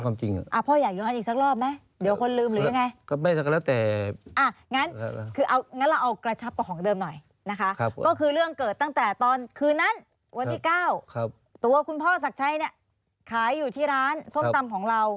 วันที่เก้าครับตัวคุณพ่อศักดิ์ชัยเนี้ยขายอยู่ที่ร้านส้มตำของเรา